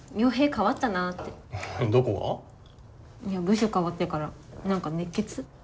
部署変わってからなんか熱血。